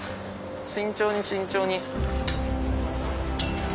慎重に慎重に。